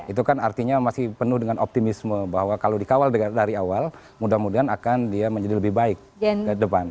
itu kan artinya masih penuh dengan optimisme bahwa kalau dikawal dari awal mudah mudahan akan dia menjadi lebih baik ke depan